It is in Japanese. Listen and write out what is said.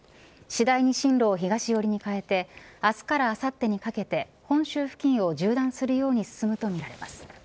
次第に進路を東寄りに変えて明日からあさってにかけて本州付近を縦断するように進むとみられます。